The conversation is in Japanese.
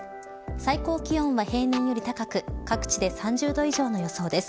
最高気温は平年より高く各地で３０度以上の予想です。